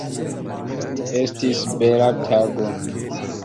Esits bela tago.